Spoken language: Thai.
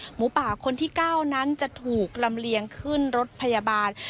หมูป่าคนที่๙นั้นจะถูกลำเลียงขึ้นรถพยาบาล